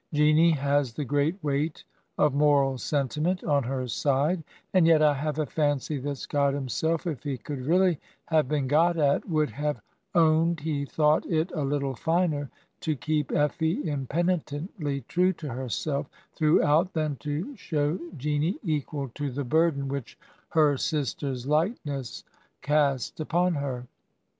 Jeanie has the great weight of moral sentiment on her side; and yet I have a fancy that Scott himself, if he could really have been got at, would have owned he thought it a little finer to keep Effie impenitently true to herself throughout than to show Jeanie equal to the burden 103 Digitized by VjOOQIC HEROINES OF FICTION which her sister's lightness cast upon her.